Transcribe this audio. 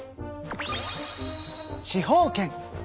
司法権。